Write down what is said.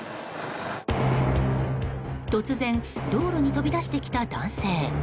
突然、道路に飛び出してきた男性。